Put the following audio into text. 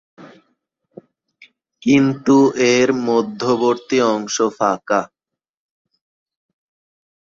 কিন্তু এর মধ্যবর্তী অংশ ফাঁকা।